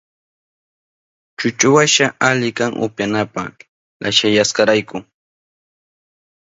Chuchuwasha ali kan upyanapa llashayashkarayku.